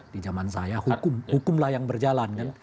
di zaman saya hukum hukumlah yang berjalan